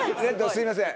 すいません。